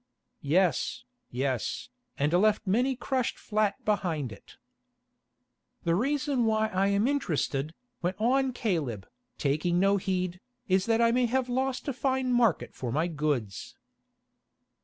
"Yes, yes, and left many crushed flat behind it." "The reason why I am interested," went on Caleb, taking no heed, "is that I may have lost a fine market for my goods."